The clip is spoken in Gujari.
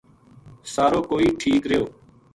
سارو کوئی ٹھیک رہیو